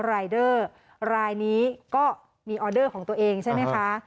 รายเดอร์รายนี้ก็มีออเดอร์ของตัวเองใช่ไหมคะ